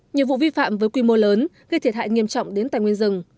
nhiều vụ vi phạm với quy mô lớn gây thiệt hại nghiêm trọng đến tài nguyên rừng